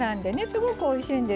すごくおいしいんですよ。